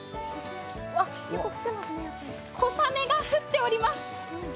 小雨が降っております。